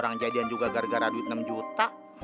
orang jadian juga gara gara duit enam juta